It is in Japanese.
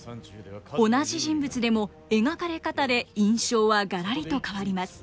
同じ人物でも描かれ方で印象はがらりと変わります。